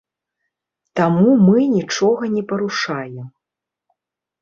Таму мы нічога не парушаем.